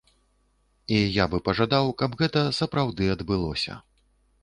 І я бы пажадаў, каб гэта сапраўды адбылося.